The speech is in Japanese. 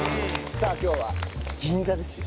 さあ今日は銀座ですよ。